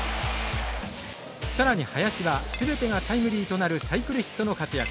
更に林は全てがタイムリーとなるサイクルヒットの活躍。